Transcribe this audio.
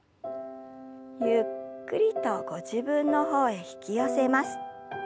ゆっくりとご自分の方へ引き寄せます。